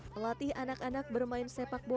pelatihan tiga kali seminggu